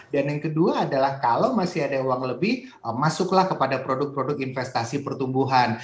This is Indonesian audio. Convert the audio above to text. dan yang kedua adalah kalau masih ada uang lebih masuklah kepada produk produk investasi pertumbuhan